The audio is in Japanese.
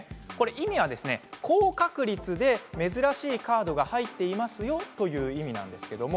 意味は高確率で珍しいカードが入っていますよという意味なんですけど